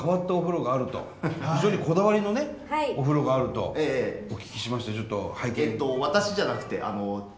非常にこだわりのねお風呂があるとお聞きしましてちょっと拝見。